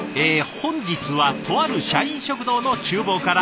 本日はとある社員食堂の厨房から。